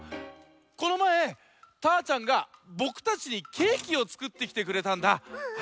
このまえたーちゃんがぼくたちにケーキをつくってきてくれたんだ。